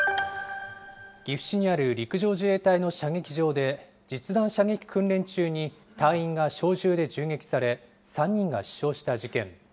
岐阜市にある陸上自衛隊の射撃場で、実弾射撃訓練中に、隊員が小銃で銃撃され、３人が死傷した事件。